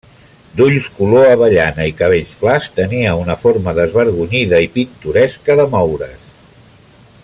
D'ulls color avellana i cabells clars, tenia una forma desvergonyida i pintoresca de moure's.